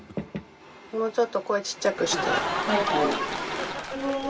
もうちょっと声ちっちゃくして。